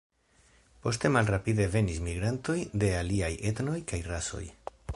Poste malrapide venis migrantoj de aliaj etnoj kaj rasoj.